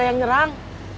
ada yang nyerang